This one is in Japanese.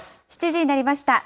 ７時になりました。